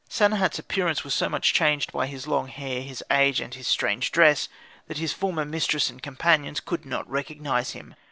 Sanehat's appearance was so much changed by his long hair, his age, and his strange dress, that his former mistress and companions could not recognise him.